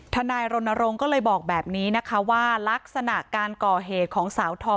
ทนายรณรงค์ก็เลยบอกแบบนี้นะคะว่าลักษณะการก่อเหตุของสาวธอม